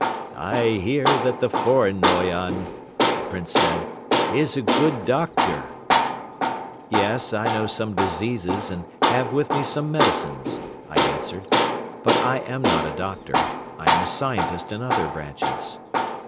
"I hear that the foreign Noyon," the Prince said, "is a good doctor." "Yes, I know some diseases and have with me some medicines," I answered, "but I am not a doctor. I am a scientist in other branches."